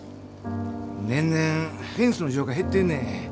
年々フェンスの需要が減ってんねん。